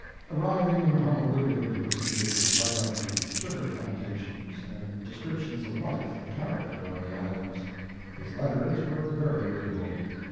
Arriving in Honolulu, he proceeded to write up the sugar plantations, and descriptions of life and character on the islands. His letters were very readable.